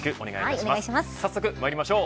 早速まいりましょう。